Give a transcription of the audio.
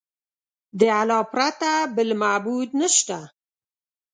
د الله پرته بل معبود نشته.